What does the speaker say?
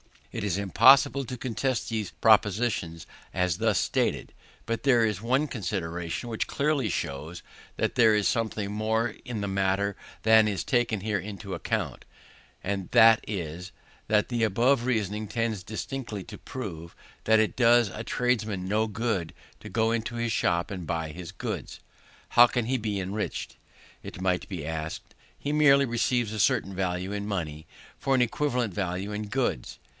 It is impossible to contest these propositions as thus stated. But there is one consideration which clearly shews, that there is something more in the matter than is here taken into the account; and this is, that the above reasoning tends distinctly to prove, that it does a tradesman no good to go into his shop and buy his goods. How can he be enriched? it might be asked. He merely receives a certain value in money, for an equivalent value in goods.